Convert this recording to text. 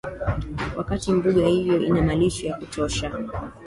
wakati mbuga hiyo ina malisho ya kutosha